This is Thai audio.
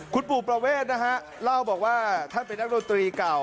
คุณปู่ประเวทนะฮะเล่าบอกว่าท่านเป็นนักดนตรีเก่า